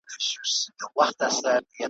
حکومت دي خپله مار دئ د لستوڼي